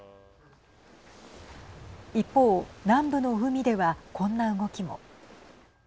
一方南部の海では、こんな動きも。